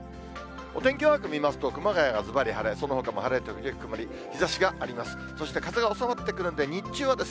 お天気マーク見ますと、熊谷がずばり晴れ、そのほかも晴れ時々曇り、日ざしがあります。